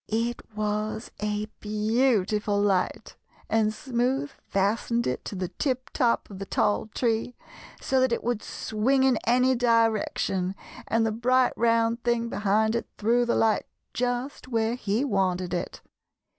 ] "It was a beautiful light, and Smoothe fastened it to the tip top of the tall tree, so that it would swing in any direction, and the bright round thing behind it threw the light just where he wanted it.